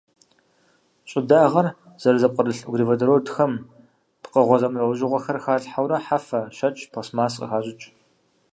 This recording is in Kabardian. Щӏыдагъэр зэрызэпкърылъ углеводородхэм пкъыгъуэ зэмылӏэужьыгъуэхэр халъхьэурэ хьэфэ, щэкӏ, пластмасс къыхащӏыкӏ.